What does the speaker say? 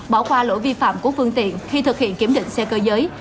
bỏ qua lỗi vi phạm của phương tiện khi thực hiện kiểm định xe cơ giới